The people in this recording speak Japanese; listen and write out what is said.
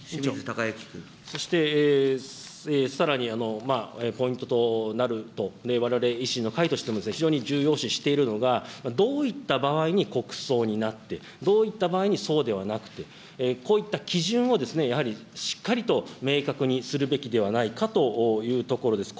そして、さらにポイントとなる、われわれ維新の会としても非常に重要視しているのが、どういった場合に国葬になって、どういった場合にそうではなくて、こういった基準をやはりしっかりと明確にするべきではないかというところです。